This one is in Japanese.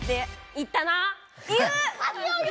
言ったな！